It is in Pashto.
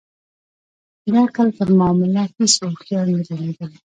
د عقل پر معامله هیڅ اوښیار نه دی لېدلی.